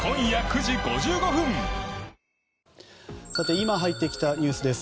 今、入ってきたニュースです。